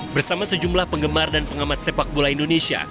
bersama sejumlah penggemar dan pengamat sepak bola indonesia